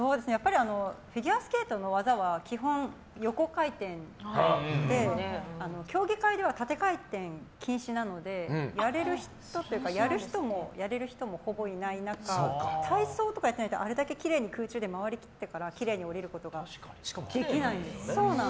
フィギュアスケートの技は基本、横回転で競技会では縦回転は禁止なのでやれる人っていうかやる人もやれる人もほぼいない中体操とかやってないとあれだけきれいに空中で回り切ってからきれいに降りることはできないんですよ。